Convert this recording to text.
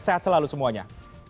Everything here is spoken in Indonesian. sehat selalu semuanya